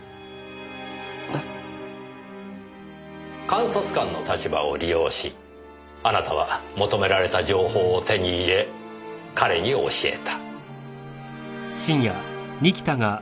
監察官の立場を利用しあなたは求められた情報を手に入れ彼に教えた。